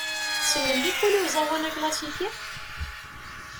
Tsellemt tikwal i uẓawan aklasiki?